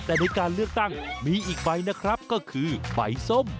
แต่ในการเลือกตั้งมีอีกใบนะครับก็คือใบส้ม